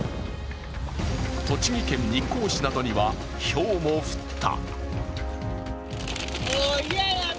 栃木県日光市などにはひょうも降った。